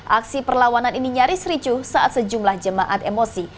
aksi perlawanan ini nyaris ricuh saat sejumlah jemaat emosi